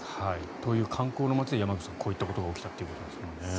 という観光の街で山口さん、こういったことが起きたということですもんね。